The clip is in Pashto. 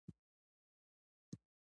نورستان ولې دومره ځنګلونه لري؟